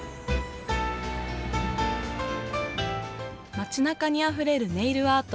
街なかにあふれるネイルアート。